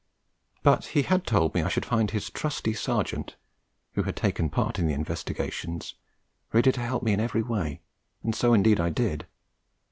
But he had told me I should find his 'trusty Sergeant,' who had taken part in the investigations, ready to help me in every way; and so, indeed, I did.